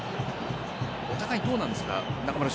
お互いどうなんですか？